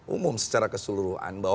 umum secara keseluruhan bahwa